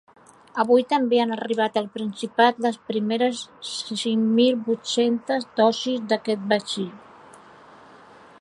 Avui també han arribat al Principat les primeres cinc mil vuit-cents dosis d’aquest vaccí.